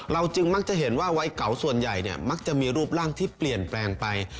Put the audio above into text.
จึงมักจะเห็นว่าวัยเก่าส่วนใหญ่เนี่ยมักจะมีรูปร่างที่เปลี่ยนแปลงไป